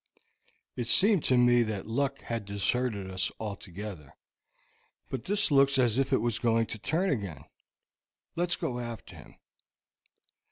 It seemed to me that luck had deserted us altogether; but this looks as if it was going to turn again. Let's go after him."